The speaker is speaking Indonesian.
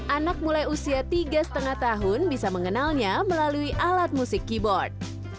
anak mulai usia tiga lima tahun bisa mengenalnya melalui alat musik keyboard